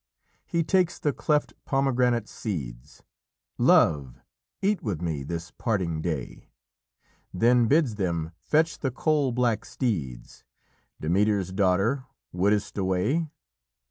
"He takes the cleft pomegranate seeds: 'Love, eat with me this parting day;' Then bids them fetch the coal black steeds 'Demeter's daughter, wouldst away?'